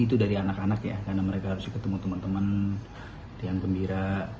itu dari anak anak ya karena mereka harus ketemu teman teman dengan gembira